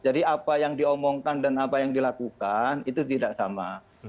jadi apa yang diomongkan dan apa yang dilakukan itu tidak sama